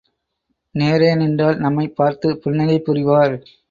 நேரே நின்றால் நம்மைப் பார்த்து புன்னகை புரிவார்.